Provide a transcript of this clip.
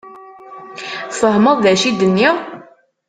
Tfehmeḍ d acu i d-nniɣ?